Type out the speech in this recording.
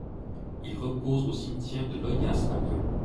Il repose au cimetière de Loyasse à Lyon.